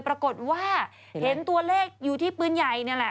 ปรากฏว่าเห็นตัวเลขอยู่ที่ปืนใหญ่นี่แหละ